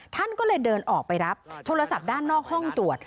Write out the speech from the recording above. ท่านก็เลยเดินออกไปรับโทรศัพท์ด้านนอกห้องตรวจ